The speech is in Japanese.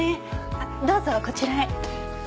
どうぞこちらへ。